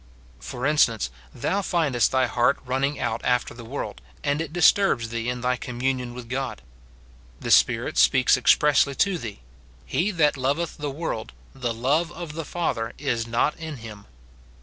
For instance, thou findest thy heart running out after the world, and it disturbs thee in thy communion Avith God ; the Spirit speaks expressly to thee, —" He that loveth the world, the love SIN IN BELIEVERS. 281 of the Father is not in him."